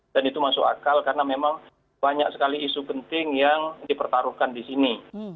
dan itu masuk akal karena memang banyak sekali isu penting yang dipertaruhkan di sini